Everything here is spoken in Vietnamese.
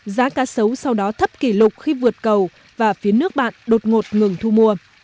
giá cá sấu sau đó thấp kỷ lục khi vượt cầu và phía nước bạn đột ngột ngừng thu mua